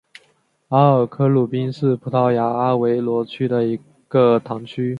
阿尔克鲁宾是葡萄牙阿威罗区的一个堂区。